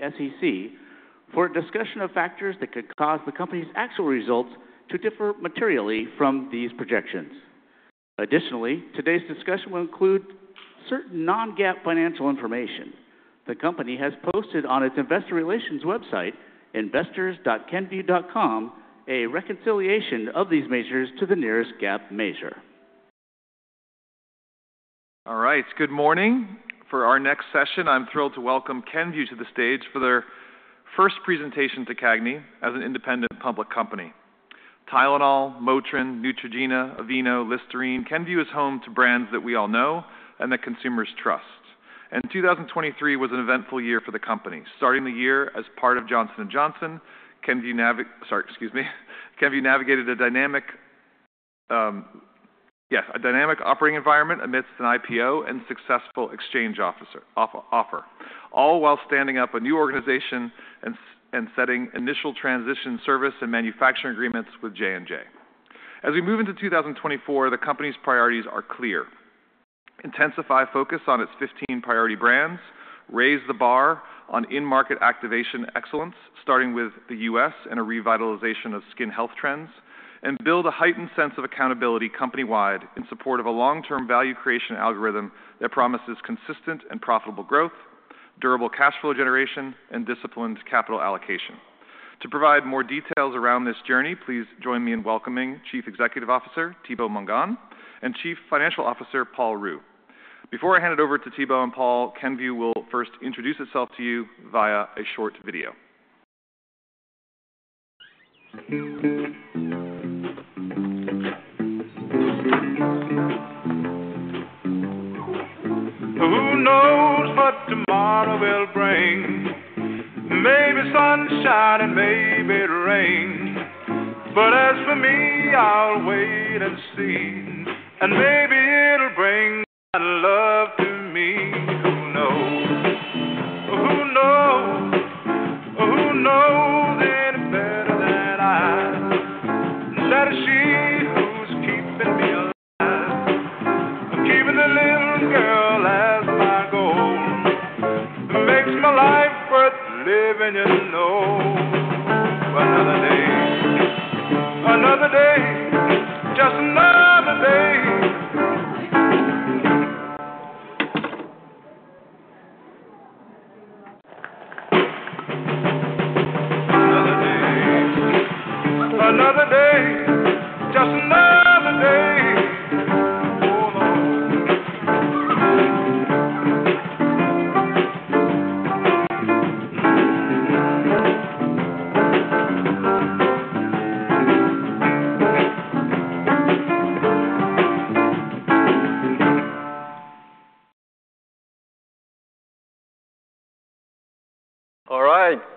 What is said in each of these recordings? The SEC for a discussion of factors that could cause the company's actual results to differ materially from these projections. Additionally, today's discussion will include certain non-GAAP financial information. The company has posted on its investor relations website, investors.kenvue.com, a reconciliation of these measures to the nearest GAAP measure. All right, good morning. For our next session, I'm thrilled to welcome Kenvue to the stage for their first presentation to CAGNY as an independent public company. Tylenol, Motrin, Neutrogena, Aveeno, Listerine. Kenvue is home to brands that we all know and that consumers trust. 2023 was an eventful year for the company. Starting the year as part of Johnson & Johnson, Kenvue—sorry, excuse me—navigated a dynamic, yes, a dynamic operating environment amidst an IPO and successful exchange offer, all while standing up a new organization and setting initial transition service and manufacturing agreements with J&J. As we move into 2024, the company's priorities are clear: intensify focus on its 15 priority brands, raise the bar on in-market activation excellence, starting with the U.S. and a revitalization of skin health trends, and build a heightened sense of accountability company-wide in support of a long-term value creation algorithm that promises consistent and profitable growth, durable cash flow generation, and disciplined capital allocation. To provide more details around this journey, please join me in welcoming Chief Executive Officer Thibaut Mongon and Chief Financial Officer Paul Ruh. Before I hand it over to Thibaut and Paul, Kenvue will first introduce itself to you via a short video. All right.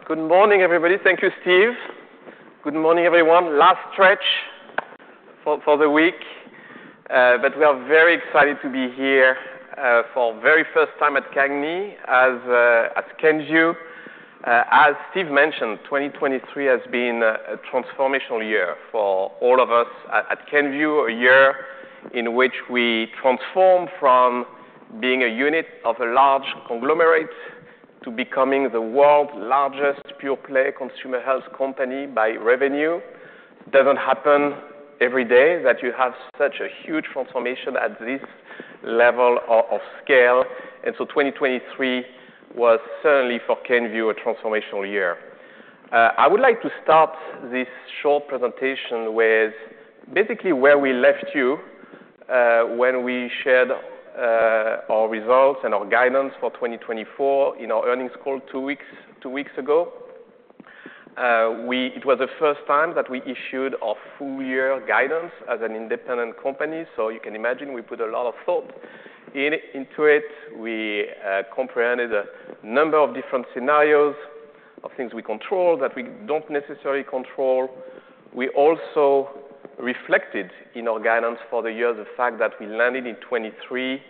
Good morning, everybody. Thank you, Steve. Good morning, everyone. Last stretch for the week. But we are very excited to be here for the very first time at CAGNY as Kenvue. As Steve mentioned, 2023 has been a transformational year for all of us at Kenvue, a year in which we transformed from being a unit of a large conglomerate to becoming the world's largest pure-play consumer health company by revenue. It doesn't happen every day that you have such a huge transformation at this level of scale. And so 2023 was certainly for Kenvue a transformational year. I would like to start this short presentation with basically where we left you when we shared our results and our guidance for 2024 in our earnings call two weeks ago. It was the first time that we issued our full-year guidance as an independent company. So you can imagine we put a lot of thought into it. We comprehended a number of different scenarios of things we control that we don't necessarily control. We also reflected in our guidance for the year the fact that we landed in 2023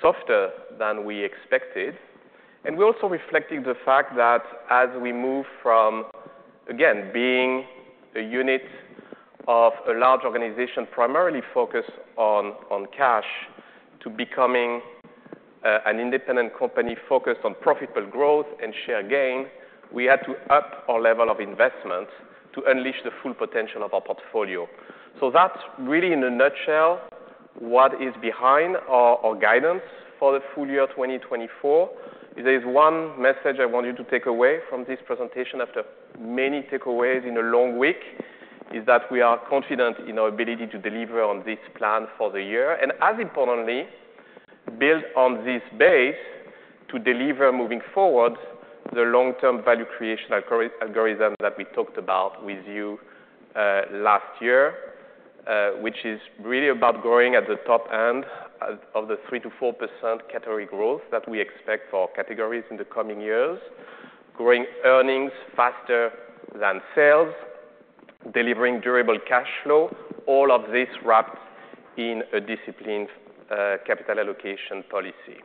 softer than we expected. And we also reflected the fact that as we move from, again, being a unit of a large organization primarily focused on cash to becoming an independent company focused on profitable growth and share gain, we had to up our level of investment to unleash the full potential of our portfolio. So that's really, in a nutshell, what is behind our guidance for the full year 2024. If there is one message I want you to take away from this presentation after many takeaways in a long week, it's that we are confident in our ability to deliver on this plan for the year. And as importantly, build on this base to deliver moving forward the long-term value creation algorithm that we talked about with you last year, which is really about growing at the top end of the 3%-4% category growth that we expect for categories in the coming years, growing earnings faster than sales, delivering durable cash flow, all of this wrapped in a disciplined capital allocation policy.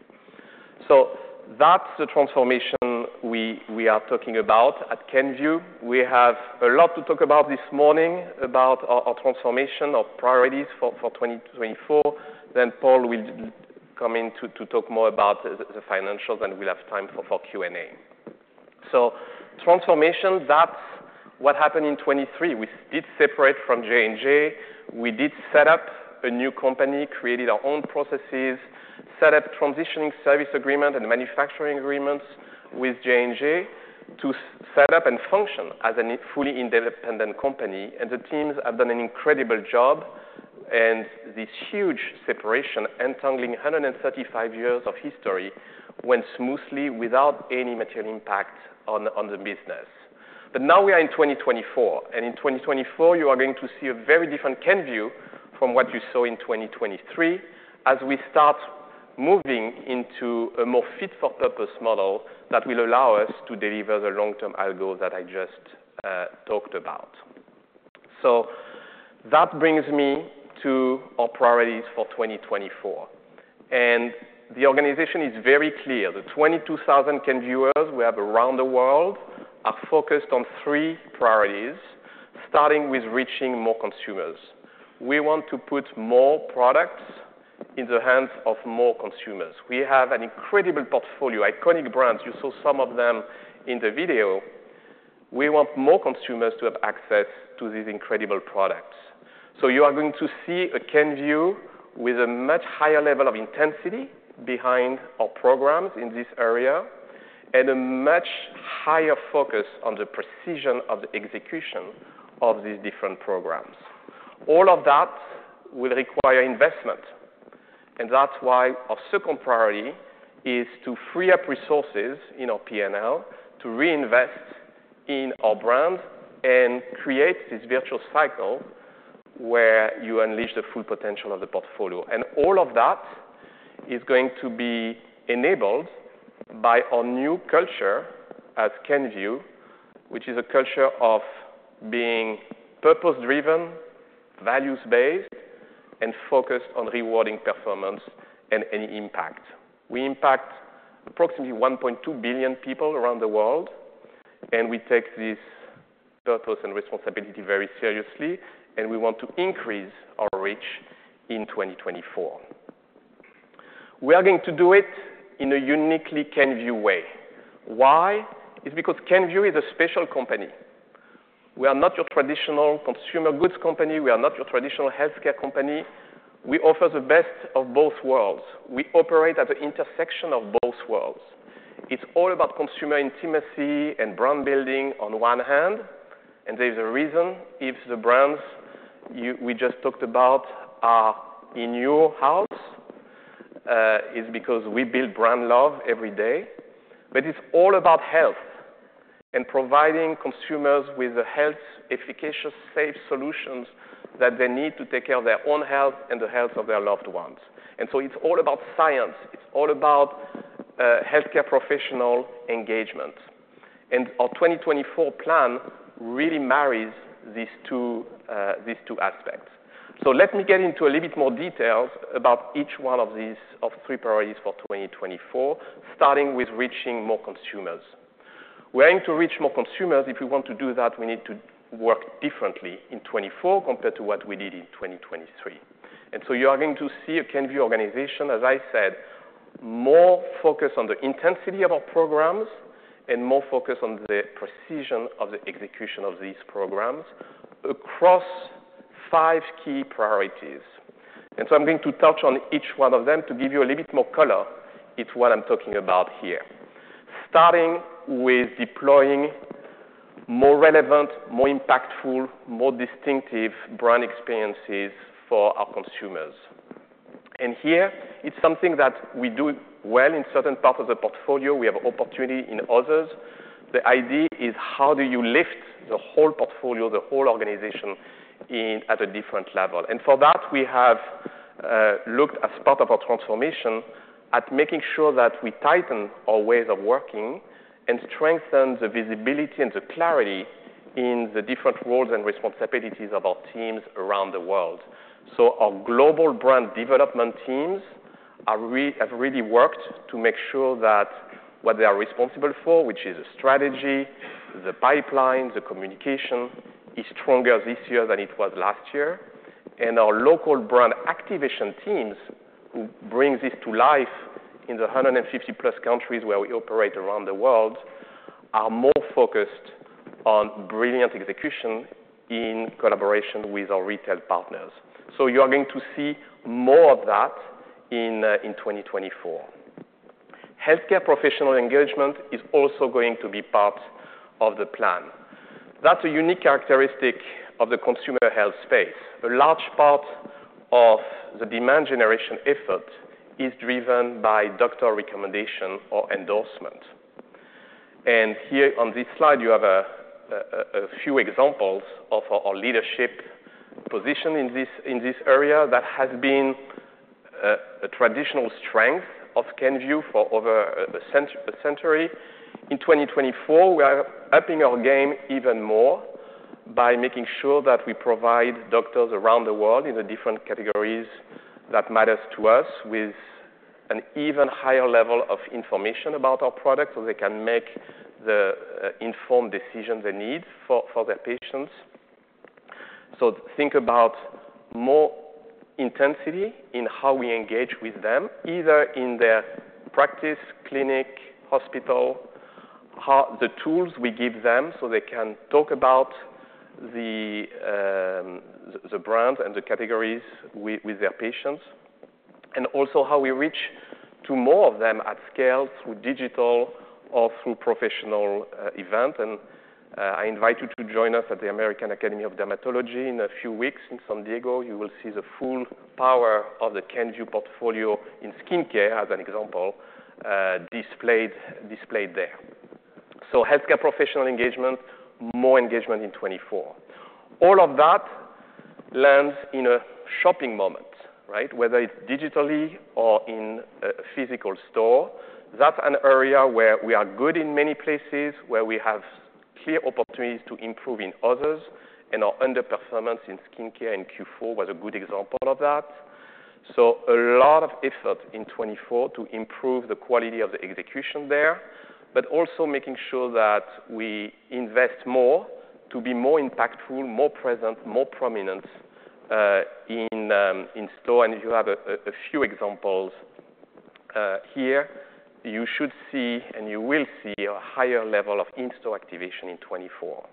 So that's the transformation we are talking about at Kenvue. We have a lot to talk about this morning about our transformation, our priorities for 2024. Then Paul will come in to talk more about the financials, and we'll have time for Q&A. Transformation, that's what happened in 2023. We did separate from J&J. We did set up a new company, created our own processes, set up transitioning service agreements and manufacturing agreements with J&J to set up and function as a fully independent company. The teams have done an incredible job. This huge separation, entangling 135 years of history, went smoothly without any material impact on the business. Now we are in 2024. In 2024, you are going to see a very different Kenvue from what you saw in 2023 as we start moving into a more fit-for-purpose model that will allow us to deliver the long-term algo that I just talked about. That brings me to our priorities for 2024. The organization is very clear. The 22,000 Kenvuers we have around the world are focused on three priorities, starting with reaching more consumers. We want to put more products in the hands of more consumers. We have an incredible portfolio, iconic brands. You saw some of them in the video. We want more consumers to have access to these incredible products. So you are going to see a Kenvue with a much higher level of intensity behind our programs in this area and a much higher focus on the precision of the execution of these different programs. All of that will require investment. And that's why our second priority is to free up resources in our P&L to reinvest in our brand and create this virtual cycle where you unleash the full potential of the portfolio. And all of that is going to be enabled by our new culture as Kenvue, which is a culture of being purpose-driven, values-based, and focused on rewarding performance and any impact. We impact approximately 1.2 billion people around the world. We take this purpose and responsibility very seriously. We want to increase our reach in 2024. We are going to do it in a uniquely Kenvue way. Why? It's because Kenvue is a special company. We are not your traditional consumer goods company. We are not your traditional health care company. We offer the best of both worlds. We operate at the intersection of both worlds. It's all about consumer intimacy and brand building on one hand. There is a reason if the brands we just talked about are in your house is because we build brand love every day. But it's all about health and providing consumers with the health-efficacious, safe solutions that they need to take care of their own health and the health of their loved ones. So it's all about science. It's all about health care professional engagement. Our 2024 plan really marries these two aspects. Let me get into a little bit more details about each one of these three priorities for 2024, starting with reaching more consumers. We are going to reach more consumers. If we want to do that, we need to work differently in 2024 compared to what we did in 2023. You are going to see a Kenvue organization, as I said, more focused on the intensity of our programs and more focused on the precision of the execution of these programs across five key priorities. I'm going to touch on each one of them to give you a little bit more color. It's what I'm talking about here, starting with deploying more relevant, more impactful, more distinctive brand experiences for our consumers. Here, it's something that we do well in certain parts of the portfolio. We have opportunity in others. The idea is, how do you lift the whole portfolio, the whole organization at a different level? For that, we have looked, as part of our transformation, at making sure that we tighten our ways of working and strengthen the visibility and the clarity in the different roles and responsibilities of our teams around the world. Our global brand development teams have really worked to make sure that what they are responsible for, which is the strategy, the pipeline, the communication, is stronger this year than it was last year. Our local brand activation teams, who bring this to life in the 150+ countries where we operate around the world, are more focused on brilliant execution in collaboration with our retail partners. You are going to see more of that in 2024. Health care professional engagement is also going to be part of the plan. That's a unique characteristic of the consumer health space. A large part of the demand generation effort is driven by doctor recommendation or endorsement. Here on this slide, you have a few examples of our leadership position in this area that has been a traditional strength of Kenvue for over a century. In 2024, we are upping our game even more by making sure that we provide doctors around the world in the different categories that matter to us with an even higher level of information about our product so they can make the informed decisions they need for their patients. Think about more intensity in how we engage with them, either in their practice, clinic, hospital, the tools we give them so they can talk about the brands and the categories with their patients, and also how we reach more of them at scale through digital or through professional events. I invite you to join us at the American Academy of Dermatology in a few weeks in San Diego. You will see the full power of the Kenvue portfolio in skin care as an example displayed there. Health care professional engagement, more engagement in 2024. All of that lands in a shopping moment, whether it's digitally or in a physical store. That's an area where we are good in many places, where we have clear opportunities to improve in others. Our underperformance in skin care in Q4 was a good example of that. So a lot of effort in 2024 to improve the quality of the execution there, but also making sure that we invest more to be more impactful, more present, more prominent in-store. And if you have a few examples here, you should see and you will see a higher level of in-store activation in 2024.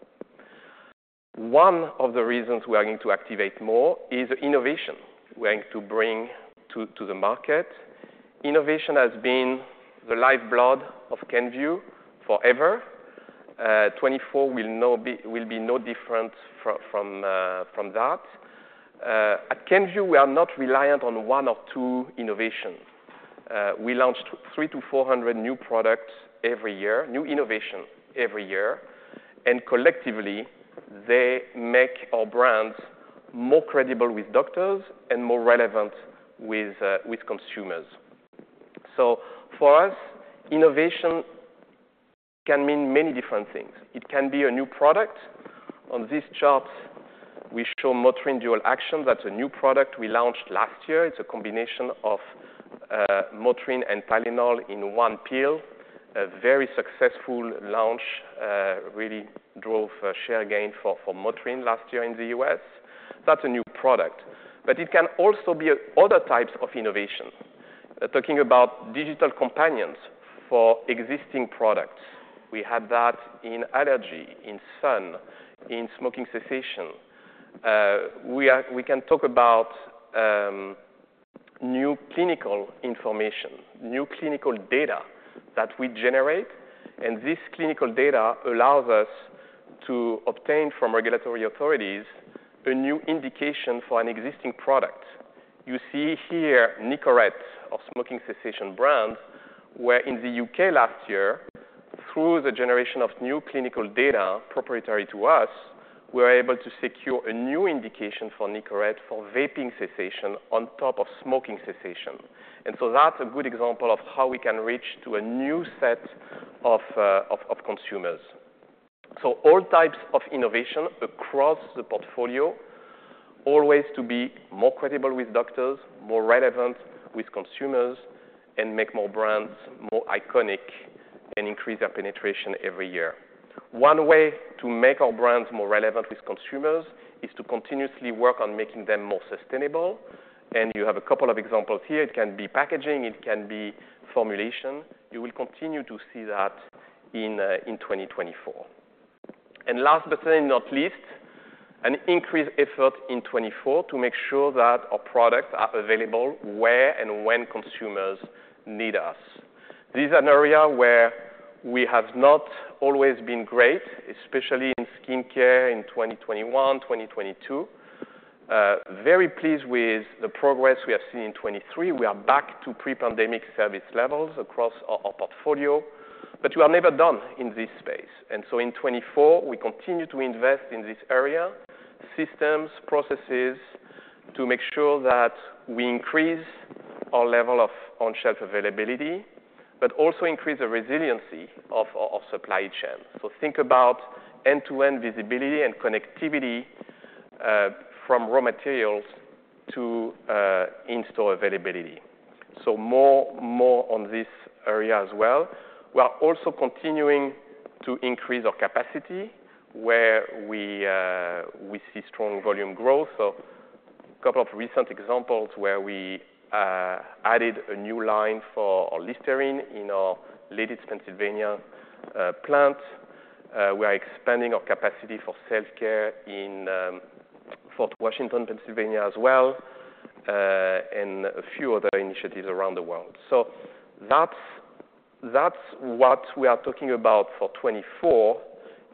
One of the reasons we are going to activate more is innovation. We are going to bring to the market. Innovation has been the lifeblood of Kenvue forever. 2024 will be no different from that. At Kenvue, we are not reliant on one or two innovations. We launch 300-400 new products every year, new innovations every year. And collectively, they make our brands more credible with doctors and more relevant with consumers. So for us, innovation can mean many different things. It can be a new product. On this chart, we show Motrin Dual Action. That's a new product we launched last year. It's a combination of Motrin and Tylenol in one pill, a very successful launch, really drove share gain for Motrin last year in the U.S. That's a new product. But it can also be other types of innovation, talking about digital companions for existing products. We had that in allergy, in sun, in smoking cessation. We can talk about new clinical information, new clinical data that we generate. And this clinical data allows us to obtain from regulatory authorities a new indication for an existing product. You see here Nicorette, our smoking cessation brand, where in the U.K. last year, through the generation of new clinical data proprietary to us, we were able to secure a new indication for Nicorette for vaping cessation on top of smoking cessation. And so that's a good example of how we can reach a new set of consumers. So all types of innovation across the portfolio, always to be more credible with doctors, more relevant with consumers, and make more brands more iconic and increase their penetration every year. One way to make our brands more relevant with consumers is to continuously work on making them more sustainable. And you have a couple of examples here. It can be packaging. It can be formulation. You will continue to see that in 2024. And last but not least, an increased effort in 2024 to make sure that our products are available where and when consumers need us. This is an area where we have not always been great, especially in skin care in 2021, 2022. Very pleased with the progress we have seen in 2023. We are back to pre-pandemic service levels across our portfolio. But we are never done in this space. And so in 2024, we continue to invest in this area, systems, processes to make sure that we increase our level of on-shelf availability, but also increase the resiliency of our supply chain. So think about end-to-end visibility and connectivity from raw materials to in-store availability. So more on this area as well. We are also continuing to increase our capacity where we see strong volume growth. So a couple of recent examples where we added a new line for Listerine in our Lititz, Pennsylvania plant. We are expanding our capacity for self-care in Fort Washington, Pennsylvania as well, and a few other initiatives around the world. So that's what we are talking about for 2024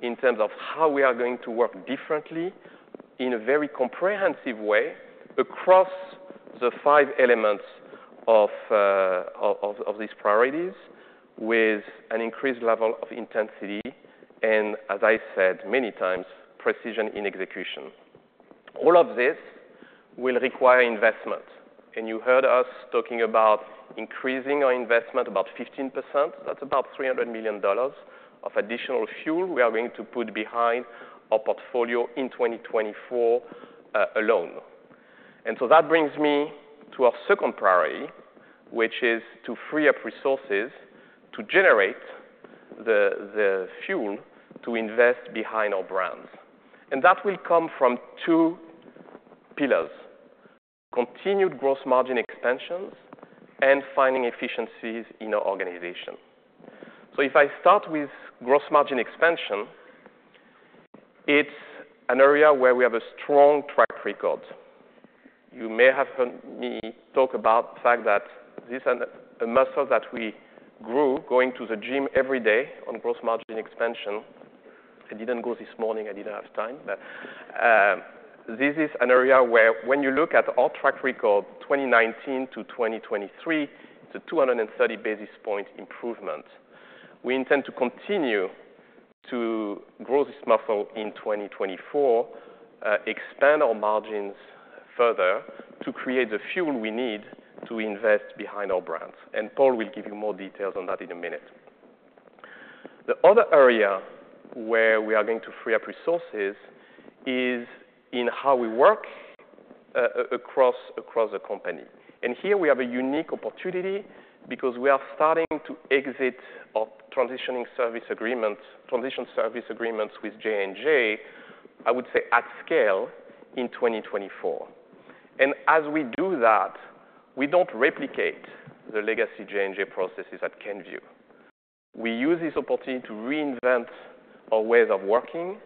in terms of how we are going to work differently in a very comprehensive way across the five elements of these priorities with an increased level of intensity and, as I said many times, precision in execution. All of this will require investment. You heard us talking about increasing our investment about 15%. That's about $300 million of additional fuel we are going to put behind our portfolio in 2024 alone. So that brings me to our second priority, which is to free up resources to generate the fuel to invest behind our brands. That will come from two pillars: continued gross margin expansions and finding efficiencies in our organization. So if I start with gross margin expansion, it's an area where we have a strong track record. You may have heard me talk about the fact that this is a muscle that we grew going to the gym every day on gross margin expansion. I didn't go this morning. I didn't have time. But this is an area where, when you look at our track record 2019 to 2023, it's a 230 basis point improvement. We intend to continue to grow this muscle in 2024, expand our margins further to create the fuel we need to invest behind our brands. And Paul will give you more details on that in a minute. The other area where we are going to free up resources is in how we work across the company. And here, we have a unique opportunity because we are starting to exit our transition service agreements with J&J, I would say, at scale in 2024. As we do that, we don't replicate the legacy J&J processes at Kenvue. We use this opportunity to reinvent our ways of working,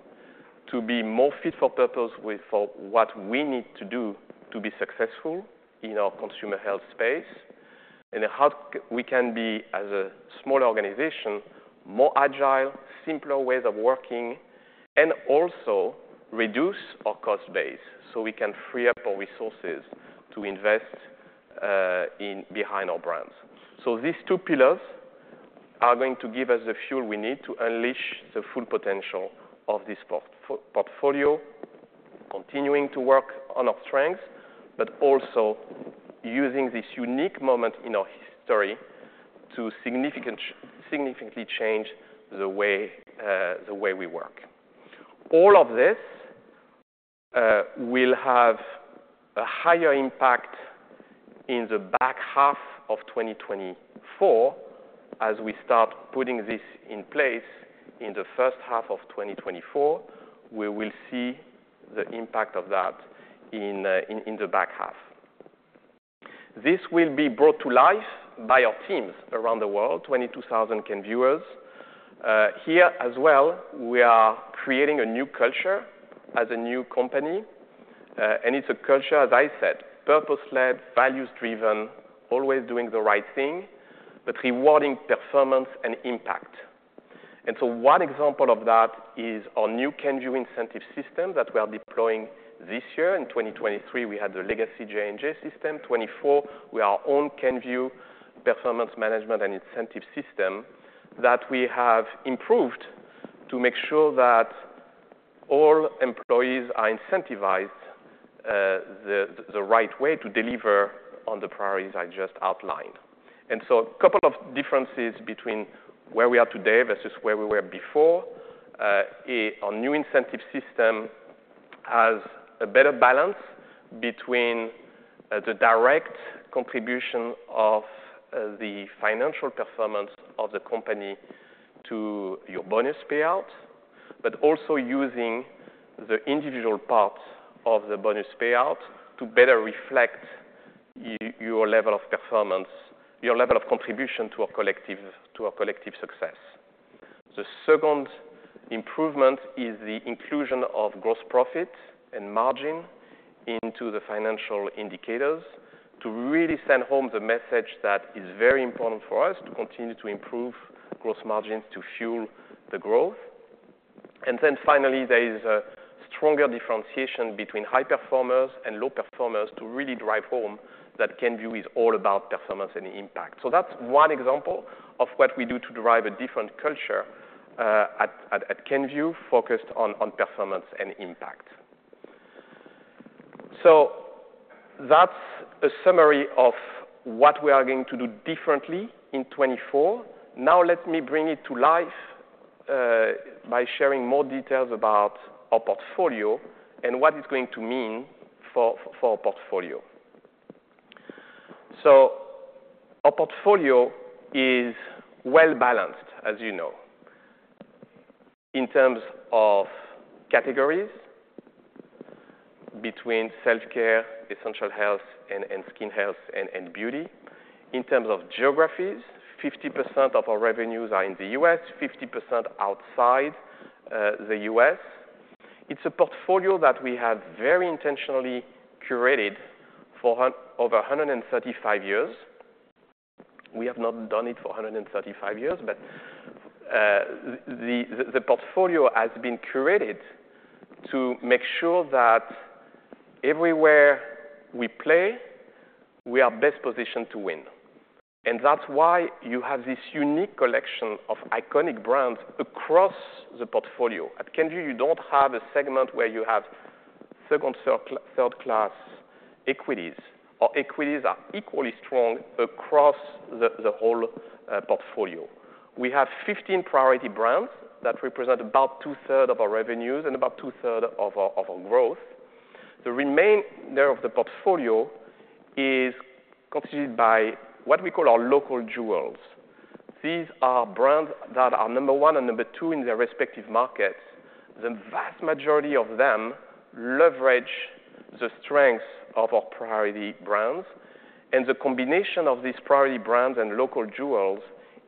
to be more fit for purpose for what we need to do to be successful in our consumer health space, and how we can be, as a smaller organization, more agile, simpler ways of working, and also reduce our cost base so we can free up our resources to invest behind our brands. So these two pillars are going to give us the fuel we need to unleash the full potential of this portfolio, continuing to work on our strengths, but also using this unique moment in our history to significantly change the way we work. All of this will have a higher impact in the back half of 2024. As we start putting this in place in the first half of 2024, we will see the impact of that in the back half. This will be brought to life by our teams around the world, 22,000 Kenvuers. Here as well, we are creating a new culture as a new company. And it's a culture, as I said, purpose-led, values-driven, always doing the right thing, but rewarding performance and impact. And so one example of that is our new Kenvue incentive system that we are deploying this year. In 2023, we had the legacy J&J system. 2024, we have our own Kenvue performance management and incentive system that we have improved to make sure that all employees are incentivized the right way to deliver on the priorities I just outlined. And so a couple of differences between where we are today versus where we were before. Our new incentive system has a better balance between the direct contribution of the financial performance of the company to your bonus payout, but also using the individual parts of the bonus payout to better reflect your level of performance, your level of contribution to our collective success. The second improvement is the inclusion of gross profit and margin into the financial indicators to really send home the message that it's very important for us to continue to improve gross margins to fuel the growth. And then finally, there is a stronger differentiation between high performers and low performers to really drive home that Kenvue is all about performance and impact. So that's one example of what we do to drive a different culture at Kenvue focused on performance and impact. So that's a summary of what we are going to do differently in 2024. Now, let me bring it to life by sharing more details about our portfolio and what it's going to mean for our portfolio. So our portfolio is well balanced, as you know, in terms of categories between self-care, essential health, and skin health and beauty. In terms of geographies, 50% of our revenues are in the U.S., 50% outside the U.S. It's a portfolio that we have very intentionally curated for over 135 years. We have not done it for 135 years. But the portfolio has been curated to make sure that everywhere we play, we are best positioned to win. And that's why you have this unique collection of iconic brands across the portfolio. At Kenvue, you don't have a segment where you have second, third-class equities. Our equities are equally strong across the whole portfolio. We have 15 priority brands that represent about two-thirds of our revenues and about two-thirds of our growth. The remainder of the portfolio is constituted by what we call our local jewels. These are brands that are number one and number two in their respective markets. The vast majority of them leverage the strengths of our priority brands. And the combination of these priority brands and local jewels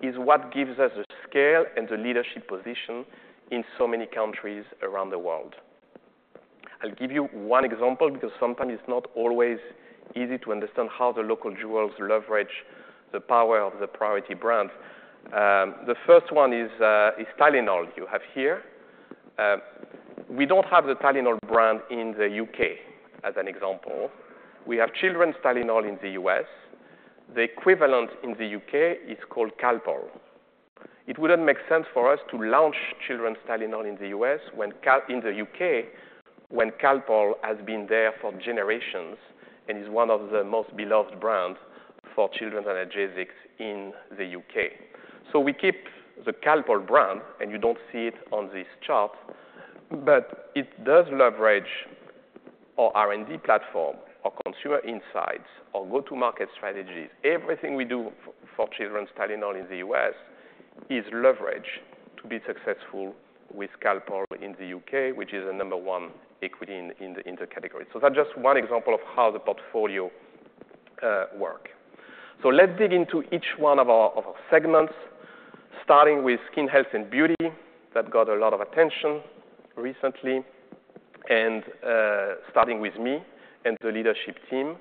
is what gives us the scale and the leadership position in so many countries around the world. I'll give you one example because sometimes it's not always easy to understand how the local jewels leverage the power of the priority brands. The first one is Tylenol. You have here. We don't have the Tylenol brand in the U.K., as an example. We have Children's Tylenol in the U.S. The equivalent in the U.K. is called Calpol. It wouldn't make sense for us to launch Children's Tylenol in the UK when Calpol has been there for generations and is one of the most beloved brands for children's analgesics in the UK. So we keep the Calpol brand. And you don't see it on this chart. But it does leverage our R&D platform, our consumer insights, our go-to-market strategies. Everything we do for Children's Tylenol in the US is leverage to be successful with Calpol in the UK, which is a number one equity in the category. So that's just one example of how the portfolio works. So let's dig into each one of our segments, starting with skin health and beauty that got a lot of attention recently, and starting with me and the leadership team,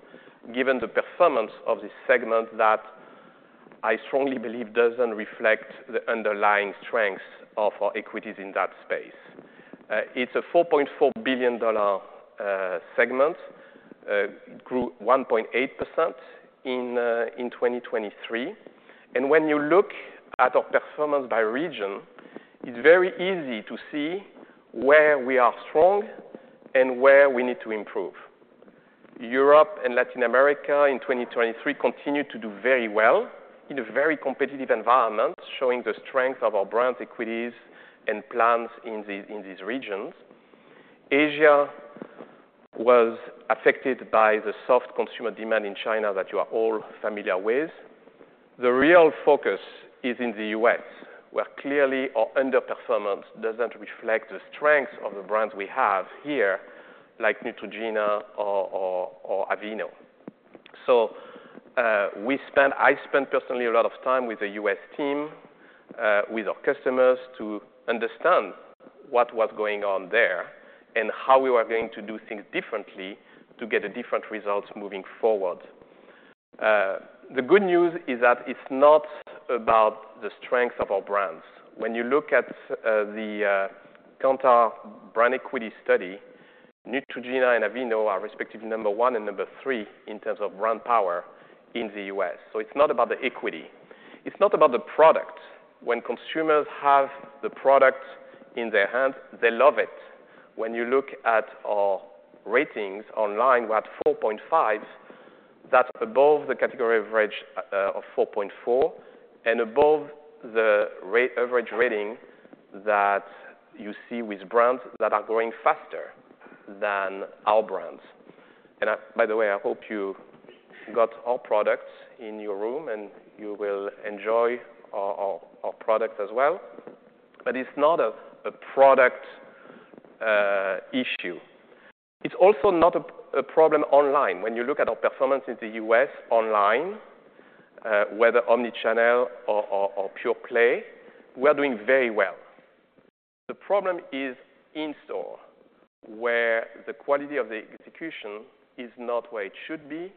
given the performance of this segment that I strongly believe doesn't reflect the underlying strengths of our equities in that space. It's a $4.4 billion segment. It grew 1.8% in 2023. And when you look at our performance by region, it's very easy to see where we are strong and where we need to improve. Europe and Latin America, in 2023, continued to do very well in a very competitive environment, showing the strength of our brands, equities, and plans in these regions. Asia was affected by the soft consumer demand in China that you are all familiar with. The real focus is in the U.S., where clearly our underperformance doesn't reflect the strengths of the brands we have here, like Neutrogena or Aveeno. So I spend personally a lot of time with the U.S. team, with our customers, to understand what was going on there and how we were going to do things differently to get different results moving forward. The good news is that it's not about the strengths of our brands. When you look at the Kantar brand equity study, Neutrogena and Aveeno are respectively number one and number three in terms of brand power in the U.S. So it's not about the equity. It's not about the product. When consumers have the product in their hands, they love it. When you look at our ratings online, we had 4.5. That's above the category average of 4.4 and above the average rating that you see with brands that are growing faster than our brands. And by the way, I hope you got our products in your room. And you will enjoy our products as well. But it's not a product issue. It's also not a problem online. When you look at our performance in the U.S. online, whether omnichannel or pure play, we are doing very well. The problem is in-store, where the quality of the execution is not where it should be.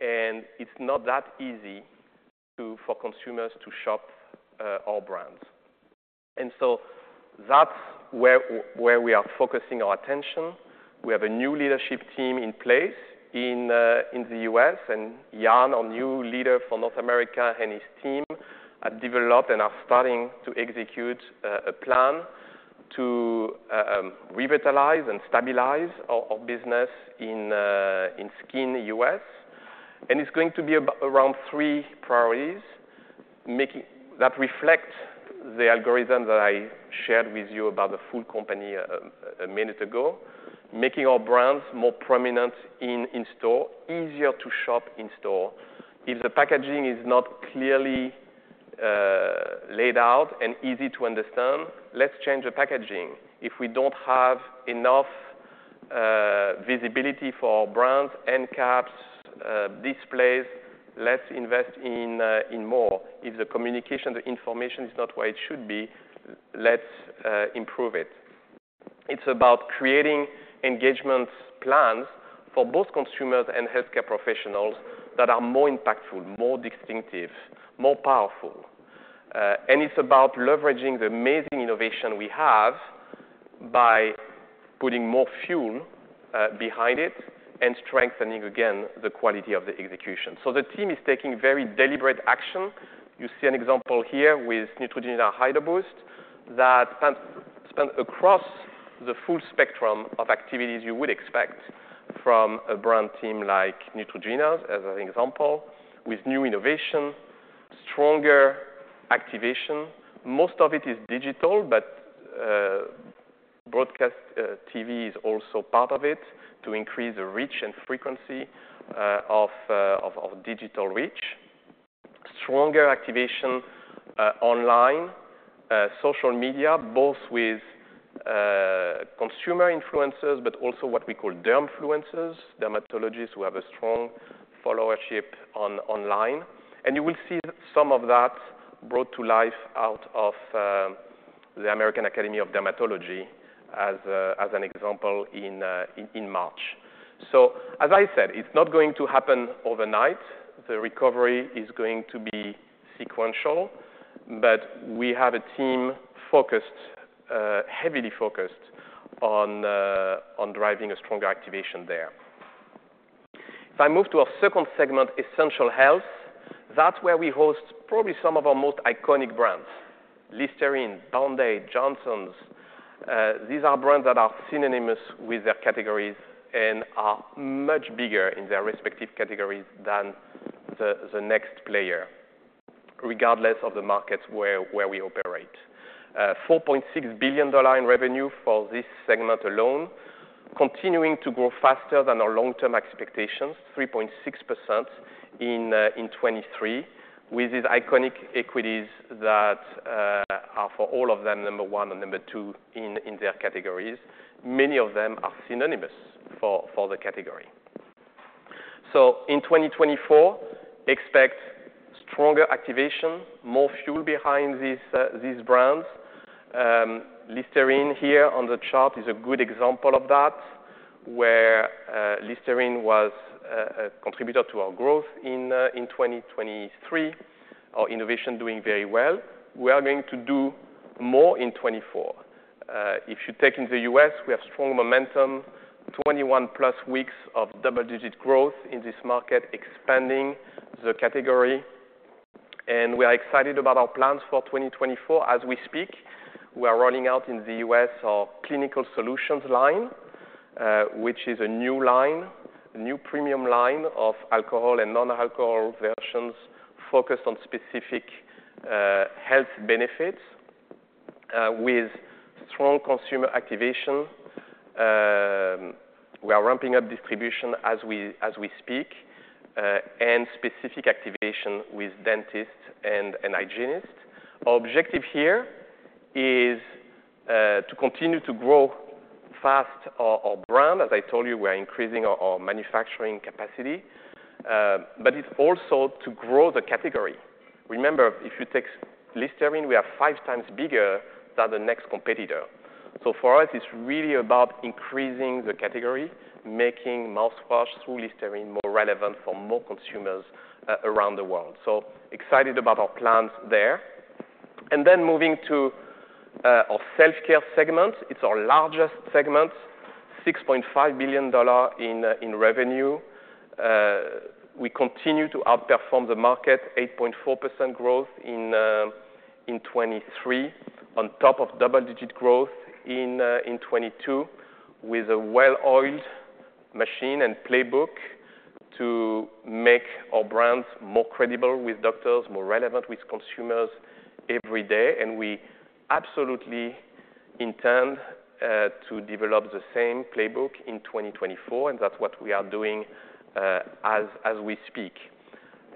It's not that easy for consumers to shop our brands. So that's where we are focusing our attention. We have a new leadership team in place in the U.S. Jan, our new leader for North America, and his team have developed and are starting to execute a plan to revitalize and stabilize our business in Skin U.S. It's going to be around three priorities that reflect the algorithm that I shared with you about the full company a minute ago, making our brands more prominent in-store, easier to shop in-store. If the packaging is not clearly laid out and easy to understand, let's change the packaging. If we don't have enough visibility for our brands, end caps, displays, let's invest in more. If the communication, the information is not where it should be, let's improve it. It's about creating engagement plans for both consumers and health care professionals that are more impactful, more distinctive, more powerful. It's about leveraging the amazing innovation we have by putting more fuel behind it and strengthening, again, the quality of the execution. The team is taking very deliberate action. You see an example here with Neutrogena Hydro Boost that spans across the full spectrum of activities you would expect from a brand team like Neutrogena, as an example, with new innovation, stronger activation. Most of it is digital. Broadcast TV is also part of it to increase the reach and frequency of digital reach, stronger activation online, social media, both with consumer influencers but also what we call derm influencers, dermatologists who have a strong followership online. You will see some of that brought to life out of the American Academy of Dermatology, as an example, in March. So as I said, it's not going to happen overnight. The recovery is going to be sequential. But we have a team heavily focused on driving a stronger activation there. If I move to our second segment, essential health, that's where we host probably some of our most iconic brands, Listerine, Band-Aid, Johnson's. These are brands that are synonymous with their categories and are much bigger in their respective categories than the next player, regardless of the markets where we operate. $4.6 billion in revenue for this segment alone, continuing to grow faster than our long-term expectations, 3.6% in 2023, with these iconic equities that are, for all of them, number one and number two in their categories. Many of them are synonymous for the category. So in 2024, expect stronger activation, more fuel behind these brands. Listerine here on the chart is a good example of that, where Listerine was a contributor to our growth in 2023, our innovation doing very well. We are going to do more in 2024. If you take in the U.S., we have strong momentum, 21+ weeks of double-digit growth in this market expanding the category. And we are excited about our plans for 2024. As we speak, we are rolling out in the U.S. our Clinical Solutions line, which is a new line, a new premium line of alcohol and non-alcohol versions focused on specific health benefits with strong consumer activation. We are ramping up distribution as we speak and specific activation with dentists and hygienists. Our objective here is to continue to grow fast our brand. As I told you, we are increasing our manufacturing capacity. But it's also to grow the category. Remember, if you take Listerine, we are five times bigger than the next competitor. So for us, it's really about increasing the category, making mouthwash through Listerine more relevant for more consumers around the world. So excited about our plans there. And then moving to our self-care segment, it's our largest segment, $6.5 billion in revenue. We continue to outperform the market, 8.4% growth in 2023, on top of double-digit growth in 2022, with a well-oiled machine and playbook to make our brands more credible with doctors, more relevant with consumers every day. And we absolutely intend to develop the same playbook in 2024. And that's what we are doing as we speak.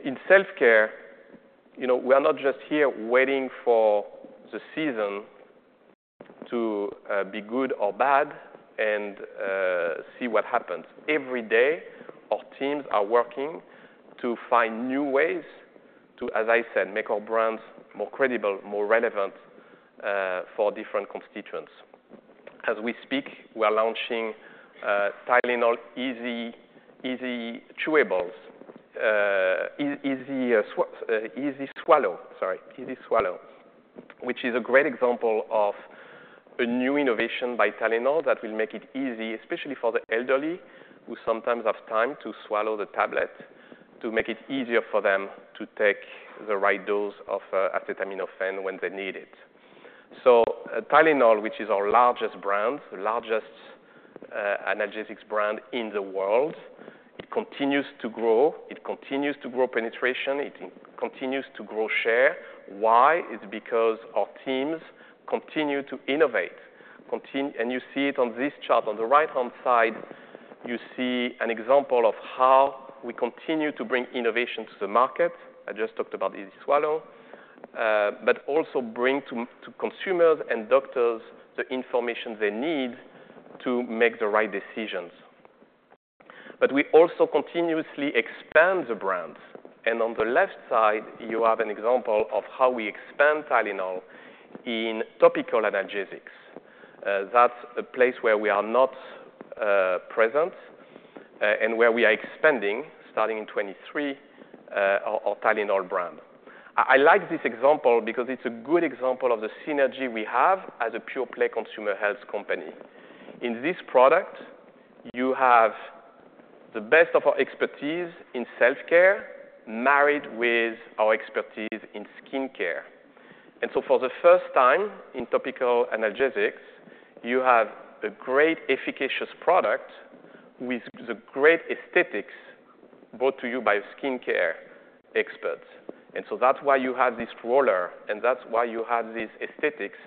In self-care, we are not just here waiting for the season to be good or bad and see what happens. Every day, our teams are working to find new ways to, as I said, make our brands more credible, more relevant for different constituents. As we speak, we are launching Tylenol Easy Chewables, Easy Swallow, sorry, Easy Swallow, which is a great example of a new innovation by Tylenol that will make it easy, especially for the elderly, who sometimes have time to swallow the tablet, to make it easier for them to take the right dose of acetaminophen when they need it. So Tylenol, which is our largest brand, the largest analgesics brand in the world, it continues to grow. It continues to grow penetration. It continues to grow share. Why? It's because our teams continue to innovate. You see it on this chart. On the right-hand side, you see an example of how we continue to bring innovation to the market. I just talked about Easy Swallow, but also bring to consumers and doctors the information they need to make the right decisions. But we also continuously expand the brands. On the left side, you have an example of how we expand Tylenol in topical analgesics. That's a place where we are not present and where we are expanding, starting in 2023, our Tylenol brand. I like this example because it's a good example of the synergy we have as a pure-play consumer health company. In this product, you have the best of our expertise in self-care married with our expertise in skin care. And so for the first time in topical analgesics, you have a great, efficacious product with the great aesthetics brought to you by skin care experts. And so that's why you have this roller. And that's why you have these aesthetics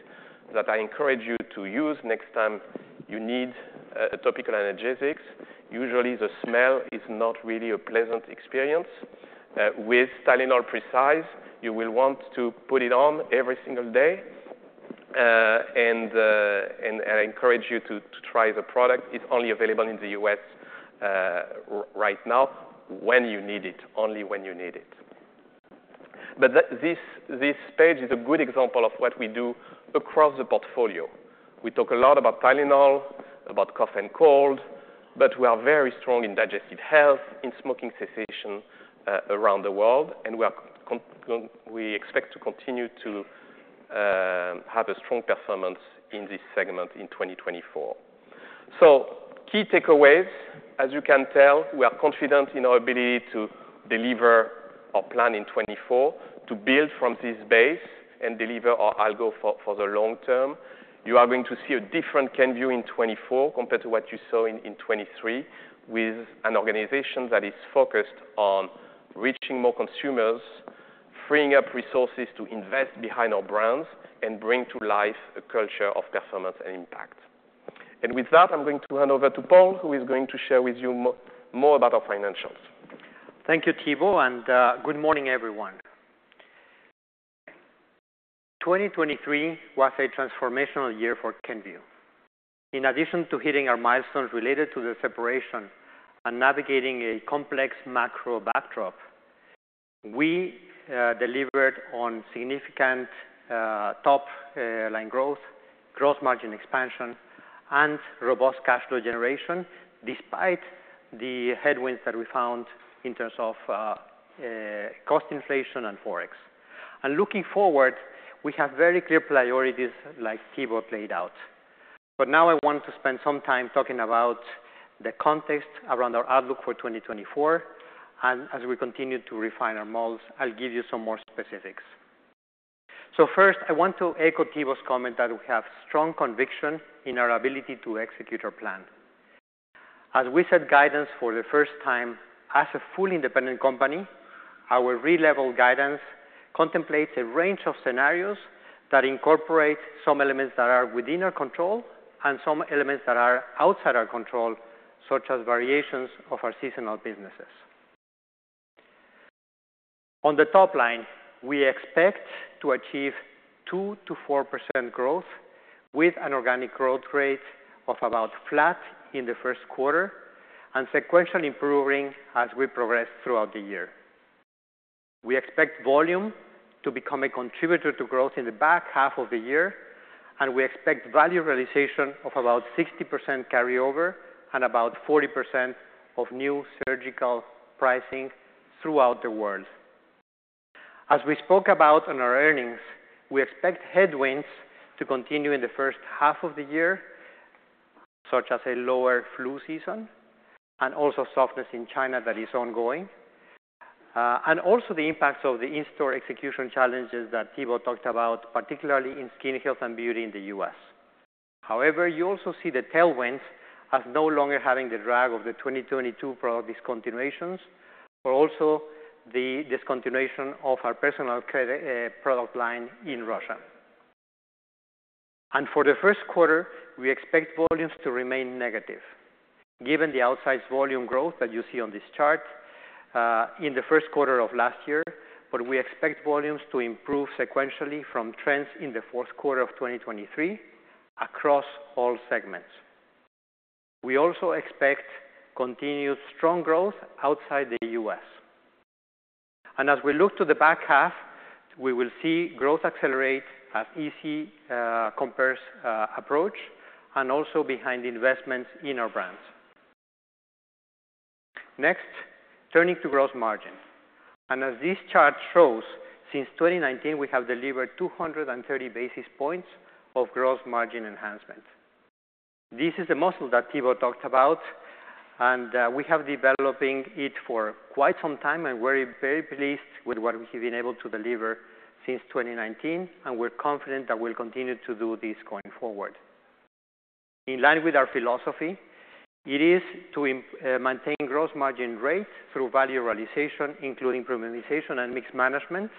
that I encourage you to use next time you need a topical analgesic. Usually, the smell is not really a pleasant experience. With Tylenol Precise, you will want to put it on every single day. And I encourage you to try the product. It's only available in the U.S. right now when you need it, only when you need it. But this page is a good example of what we do across the portfolio. We talk a lot about Tylenol, about cough and cold. But we are very strong in digestive health, in smoking cessation around the world. And we expect to continue to have a strong performance in this segment in 2024. Key takeaways, as you can tell, we are confident in our ability to deliver our plan in 2024, to build from this base and deliver our algo for the long term. You are going to see a different Kenvue in 2024 compared to what you saw in 2023, with an organization that is focused on reaching more consumers, freeing up resources to invest behind our brands, and bringing to life a culture of performance and impact. With that, I'm going to hand over to Paul, who is going to share with you more about our financials. Thank you, Thibaut. Good morning, everyone. 2023 was a transformational year for Kenvue. In addition to hitting our milestones related to the separation and navigating a complex macro backdrop, we delivered on significant top-line growth, gross margin expansion, and robust cash flow generation despite the headwinds that we found in terms of cost inflation and forex. Looking forward, we have very clear priorities, like Thibaut laid out. Now I want to spend some time talking about the context around our outlook for 2024. As we continue to refine our models, I'll give you some more specifics. First, I want to echo Thibaut's comment that we have strong conviction in our ability to execute our plan. As we set guidance for the first time as a fully independent company, our re-level guidance contemplates a range of scenarios that incorporate some elements that are within our control and some elements that are outside our control, such as variations of our seasonal businesses. On the top line, we expect to achieve 2%-4% growth with an organic growth rate of about flat in the first quarter and sequential improving as we progress throughout the year. We expect volume to become a contributor to growth in the back half of the year. We expect value realization of about 60% carryover and about 40% of new strategic pricing throughout the world. As we spoke about in our earnings, we expect headwinds to continue in the first half of the year, such as a lower flu season and also softness in China that is ongoing, and also the impacts of the in-store execution challenges that Thibaut talked about, particularly in skin health and beauty in the U.S. However, you also see the tailwinds as no longer having the drag of the 2022 product discontinuations or also the discontinuation of our personal care product line in Russia. For the first quarter, we expect volumes to remain negative, given the outsize volume growth that you see on this chart in the first quarter of last year. We expect volumes to improve sequentially from trends in the fourth quarter of 2023 across all segments. We also expect continued strong growth outside the U.S. As we look to the back half, we will see growth accelerate as easy comps approach and also behind investments in our brands. Next, turning to gross margin. As this chart shows, since 2019, we have delivered 230 basis points of gross margin enhancement. This is the muscle that Thibaut talked about. We have been developing it for quite some time. We're very pleased with what we have been able to deliver since 2019. We're confident that we'll continue to do this going forward. In line with our philosophy, it is to maintain gross margin rate through value realization, including premiumization and mix management.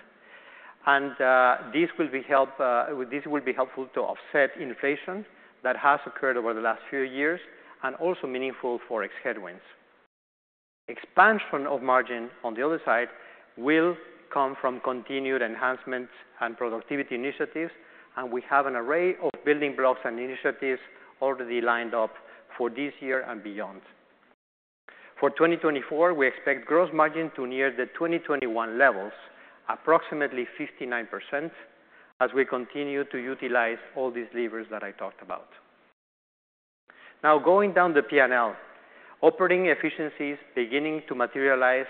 This will be helpful to offset inflation that has occurred over the last few years and also meaningful forex headwinds. Expansion of margin, on the other side, will come from continued enhancements and productivity initiatives. We have an array of building blocks and initiatives already lined up for this year and beyond. For 2024, we expect gross margin to near the 2021 levels, approximately 59%, as we continue to utilize all these levers that I talked about. Now, going down the P&L, operating efficiencies beginning to materialize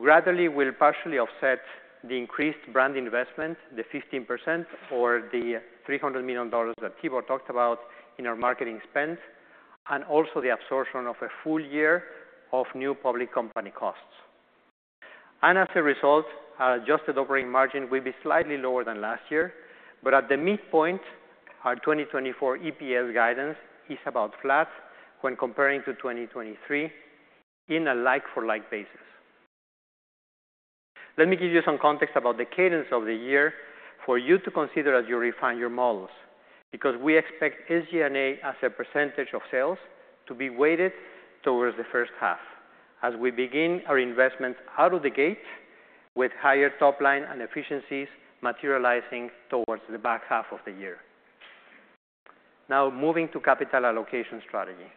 gradually will partially offset the increased brand investment, the 15% or the $300 million that Thibaut talked about in our marketing spend, and also the absorption of a full year of new public company costs. As a result, our adjusted operating margin will be slightly lower than last year. At the midpoint, our 2024 EPS guidance is about flat when comparing to 2023 in a like-for-like basis. Let me give you some context about the cadence of the year for you to consider as you refine your models, because we expect SG&A as a percentage of sales to be weighted towards the first half as we begin our investments out of the gate with higher top line and efficiencies materializing towards the back half of the year. Now, moving to capital allocation strategy.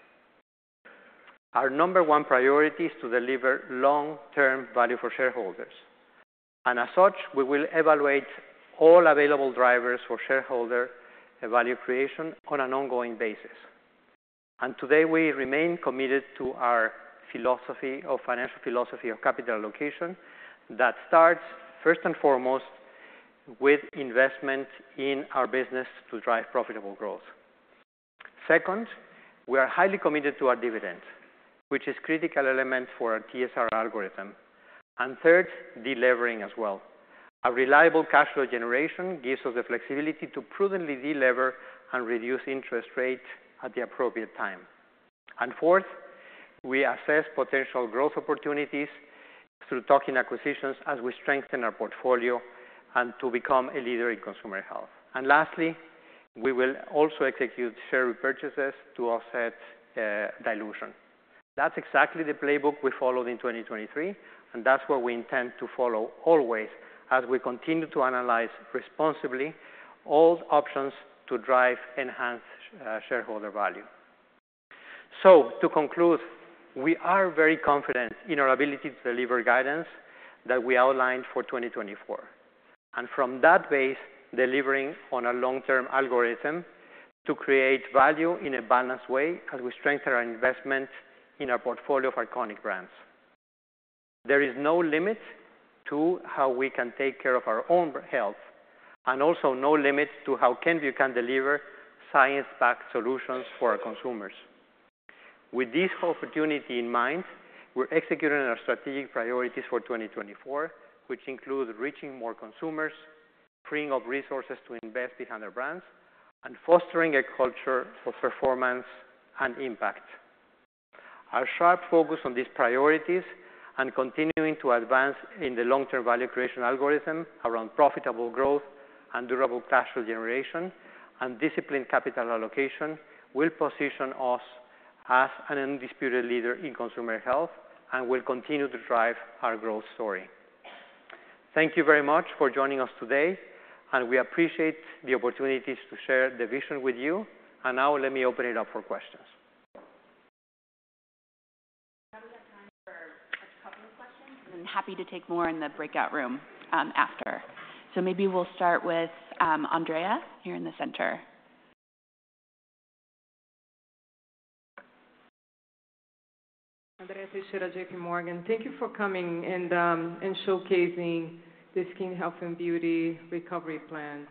Our number 1 priority is to deliver long-term value for shareholders. And as such, we will evaluate all available drivers for shareholder value creation on an ongoing basis. And today, we remain committed to our financial philosophy of capital allocation that starts, first and foremost, with investment in our business to drive profitable growth. Second, we are highly committed to our dividend, which is a critical element for our TSR algorithm. And third, delivering as well. A reliable cash flow generation gives us the flexibility to prudently deliver and reduce interest rates at the appropriate time. And fourth, we assess potential growth opportunities through talking acquisitions as we strengthen our portfolio and to become a leader in consumer health. And lastly, we will also execute share repurchases to offset dilution. That's exactly the playbook we followed in 2023. And that's what we intend to follow always as we continue to analyze responsibly all options to drive enhanced shareholder value. To conclude, we are very confident in our ability to deliver guidance that we outlined for 2024 and from that base, delivering on a long-term algorithm to create value in a balanced way as we strengthen our investment in our portfolio of iconic brands. There is no limit to how we can take care of our own health and also no limit to how Kenvue can deliver science-backed solutions for our consumers. With this opportunity in mind, we're executing our strategic priorities for 2024, which include reaching more consumers, freeing up resources to invest behind our brands, and fostering a culture of performance and impact. Our sharp focus on these priorities and continuing to advance in the long-term value creation algorithm around profitable growth and durable cash flow generation and disciplined capital allocation will position us as an undisputed leader in consumer health and will continue to drive our growth story. Thank you very much for joining us today. We appreciate the opportunities to share the vision with you. Now, let me open it up for questions. We have time for a couple of questions. And then happy to take more in the breakout room after. So maybe we'll start with Andrea here in the center. Andrea Teixeira, J.P. Morgan. Thank you for coming and showcasing the skin health and beauty recovery plan.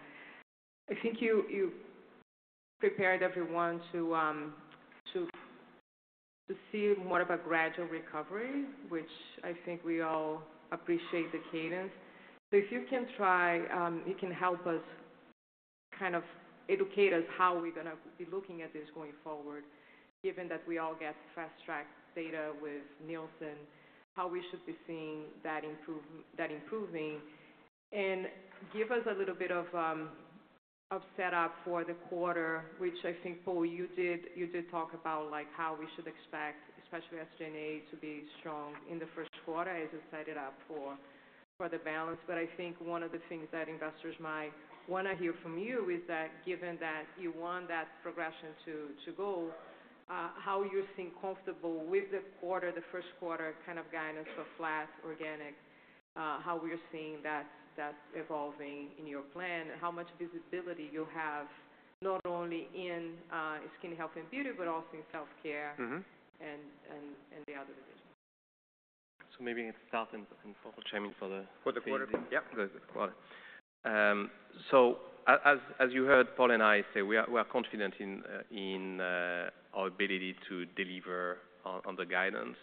I think you prepared everyone to see more of a gradual recovery, which I think we all appreciate the cadence. So if you can try, you can help us kind of educate us how we're going to be looking at this going forward, given that we all get fast-track data with Nielsen, how we should be seeing that improving, and give us a little bit of setup for the quarter, which I think, Paul, you did talk about how we should expect, especially SG&A, to be strong in the first quarter as you set it up for the balance. I think one of the things that investors might want to hear from you is that given that you want that progression to go, how you're seeing comfortable with the quarter, the first quarter kind of guidance for flat, organic, how we're seeing that evolving in your plan, how much visibility you'll have not only in skin health and beauty but also in self-care and the other divisions. So maybe it's Thibaut and Paul. Chairman for the. For the quarter. Yep. Good. For the quarter. So as you heard Paul and I say, we are confident in our ability to deliver on the guidance.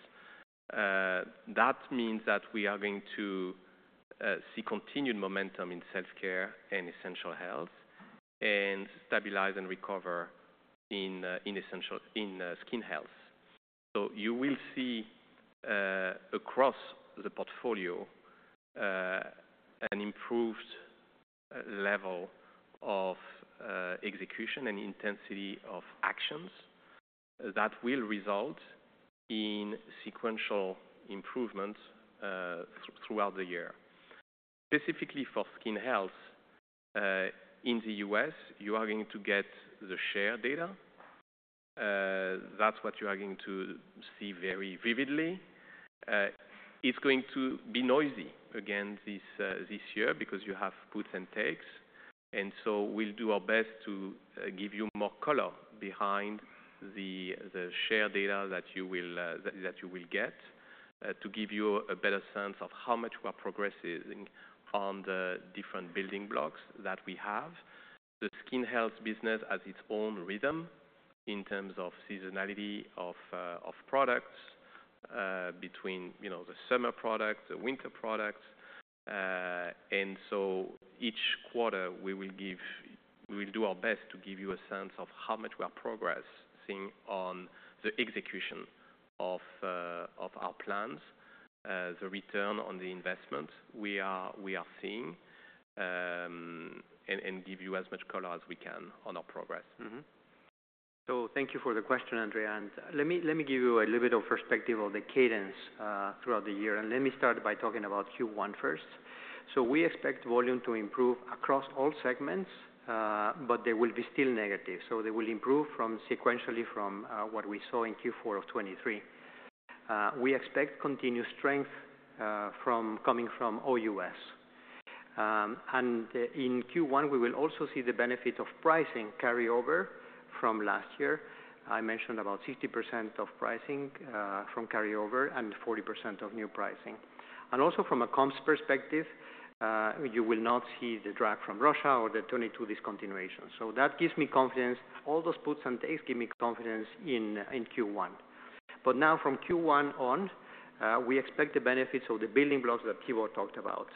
That means that we are going to see continued momentum in self-care and essential health and stabilize and recover in skin health. So you will see across the portfolio an improved level of execution and intensity of actions that will result in sequential improvements throughout the year. Specifically for skin health in the U.S., you are going to get the share data. That's what you are going to see very vividly. It's going to be noisy again this year because you have puts and takes. And so we'll do our best to give you more color behind the share data that you will get to give you a better sense of how much we are progressing on the different building blocks that we have. The skin health business has its own rhythm in terms of seasonality of products between the summer products, the winter products. And so each quarter, we will do our best to give you a sense of how much we are progressing on the execution of our plans, the return on the investment we are seeing, and give you as much color as we can on our progress. So thank you for the question, Andrea. And let me give you a little bit of perspective on the cadence throughout the year. And let me start by talking about Q1 first. So we expect volume to improve across all segments, but they will be still negative. So they will improve sequentially from what we saw in Q4 of 2023. We expect continued strength coming from OUS. And in Q1, we will also see the benefit of pricing carryover from last year. I mentioned about 60% of pricing from carryover and 40% of new pricing. Also from a comms perspective, you will not see the drag from Russia or the 2022 discontinuation. That gives me confidence. All those puts and takes give me confidence in Q1. Now, from Q1 on, we expect the benefits of the building blocks that Thibaut talked about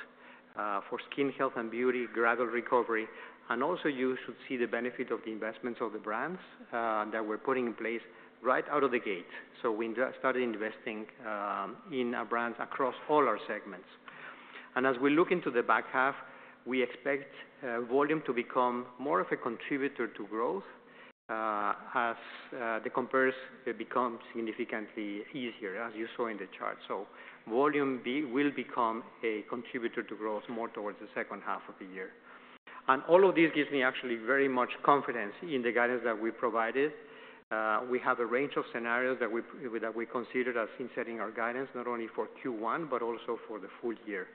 for skin health and beauty, gradual recovery. Also, you should see the benefit of the investments of the brands that we're putting in place right out of the gate. We started investing in our brands across all our segments. As we look into the back half, we expect volume to become more of a contributor to growth as the comparison becomes significantly easier, as you saw in the chart. So volume will become a contributor to growth more towards the second half of the year. And all of this gives me actually very much confidence in the guidance that we provided. We have a range of scenarios that we considered as in setting our guidance not only for Q1 but also for the full year.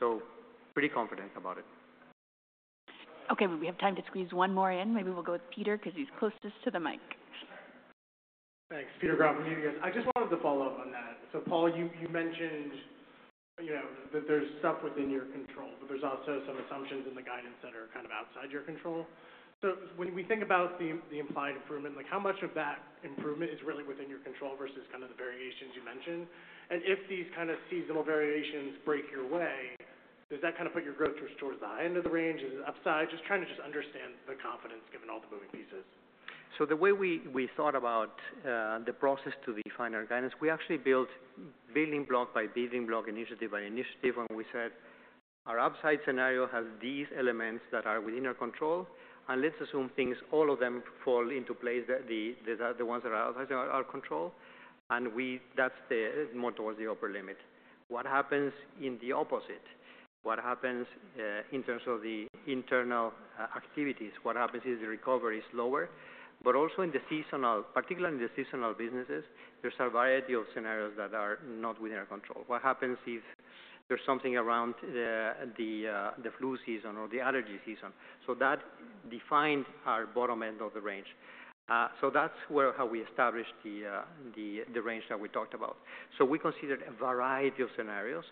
So pretty confident about it. Okay. We have time to squeeze one more in. Maybe we'll go with Peter because he's closest to the mic. Thanks. Peter Grom from UBS. I just wanted to follow up on that. So Paul, you mentioned that there's stuff within your control, but there's also some assumptions in the guidance that are kind of outside your control. So when we think about the implied improvement, how much of that improvement is really within your control versus kind of the variations you mentioned? And if these kind of seasonal variations break your way, does that kind of put your growth towards the high end of the range? Is it upside? Just trying to just understand the confidence given all the moving pieces. So the way we thought about the process to define our guidance, we actually built building block by building block, initiative by initiative. And we said, "Our upside scenario has these elements that are within our control. And let's assume all of them fall into place, the ones that are outside our control." And that's more towards the upper limit. What happens in the opposite? What happens in terms of the internal activities? What happens if the recovery is slower? But also in the seasonal, particularly in the seasonal businesses, there's a variety of scenarios that are not within our control. What happens if there's something around the flu season or the allergy season? So that defined our bottom end of the range. So that's how we established the range that we talked about. So we considered a variety of scenarios.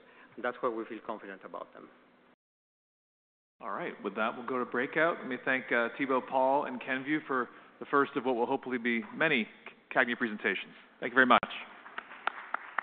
That's why we feel confident about them. All right. With that, we'll go to breakout. Let me thank Thibaut, Paul, and Kenvue for the first of what will hopefully be many CAGNY presentations. Thank you very much.